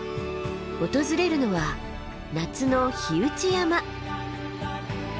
訪れるのは夏の火打山。